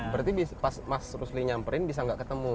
berarti pas mas rusli nyamperin bisa nggak ketemu